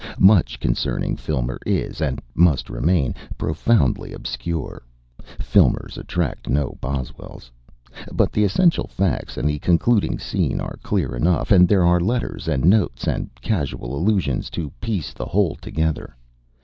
Much concerning Filmer is, and must remain, profoundly obscure Filmers attract no Boswells but the essential facts and the concluding scene are clear enough, and there are letters, and notes, and casual allusions to piece the whole together.